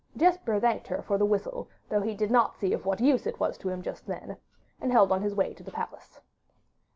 Jesper thanked her for the whistle, though he did not see of what use it was to be to him just then, and held on his way to the palace.